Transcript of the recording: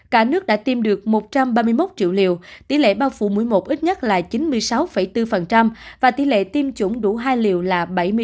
cả nước đã tiêm được một trăm ba mươi một triệu liều tỷ lệ bao phủ một mươi một ít nhất là chín mươi sáu bốn và tỷ lệ tiêm chủng đủ hai liều là bảy mươi năm